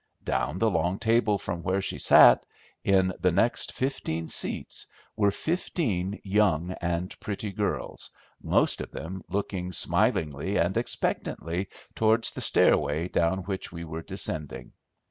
Down the long table from where she sat, in the next fifteen seats were fifteen young and pretty girls, most of them looking smilingly and expectantly toward the stairway down which we were descending.